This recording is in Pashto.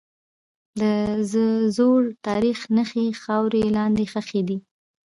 د زوړ تاریخ نښې خاورې لاندې ښخي دي.